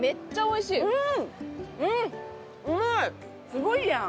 すごいやん！